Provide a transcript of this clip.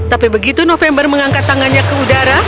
tapi begitu november mengangkat tangannya ke udara